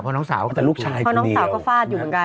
เพราะน้องสาวก็ฟาดอยู่เหมือนกัน